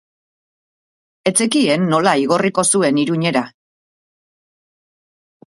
Ez zekien nola igorriko zuen Iruñera.